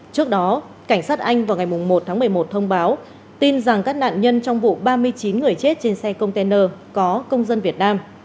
trước đó cảnh sát anh vào ngày một tháng một mươi một thông báo tin rằng các nạn nhân trong vụ ba mươi chín người chết trên xe container có công dân việt nam